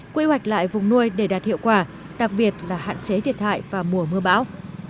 quy hoạch lại vùng nuôi để đạt hiệu quả đặc biệt là hạn chế thiệt hại vào mùa mưa bão